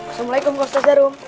assalamualaikum ustadz arum